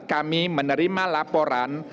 kami menerima laporan